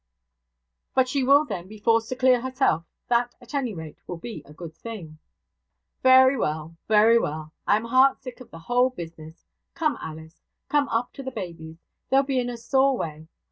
'But she will then be forced to clear herself. That, at any rate, will be a good thing.' 'Very well, very well! I am heart sick of the whole business. Come, Alice, come up to the babies; they'll be in a sore way.